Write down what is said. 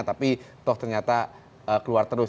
tapi toh ternyata keluar terus